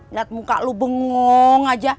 lihat muka lu bengong aja